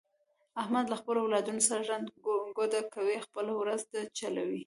احمد له خپلو اولادونو سره ړنده ګوډه کوي، خپله ورځ ده چلوي یې.